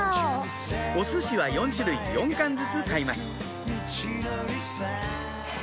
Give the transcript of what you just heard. おすしは４種類４貫ずつ買います